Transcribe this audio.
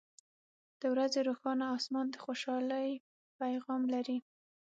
• د ورځې روښانه آسمان د خوشحالۍ پیغام لري.